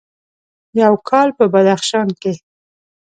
یو کال په بدخشان کې: